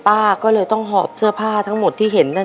ป้าก็เลยต้องหอบเสื้อผ้าทั้งหมดที่เห็นนั่น